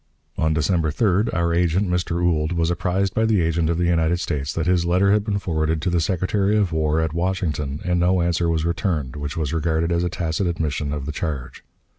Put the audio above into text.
On December 3d our agent, Mr. Ould, was apprised by the agent of the United States that his letter had been forwarded to the Secretary of War at Washington, and no answer was returned, which was regarded as a tacit admission of the charge.